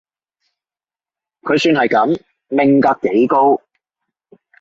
佢算係噉，命格幾高